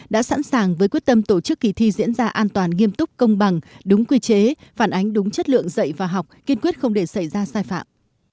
đã sẵn sàng với quyết tâm tổ chức kỳ thi diễn ra an toàn nghiêm túc công bằng đúng quy chế phản ánh đúng chất lượng dạy và học kiên quyết không để xảy ra sai phạm